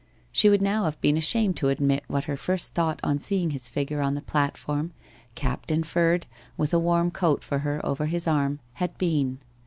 She would now have been ashamed to admit what her first thought on seeing his figure on the platform, capped and furred, with a warm coat for her over his arm, had been.